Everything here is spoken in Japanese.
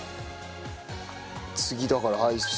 次だからアイス？